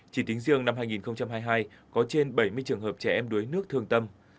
chỉ tính riêng năm hai nghìn hai mươi hai có trên bảy mươi trường hợp trẻ em đuối nước thương tâm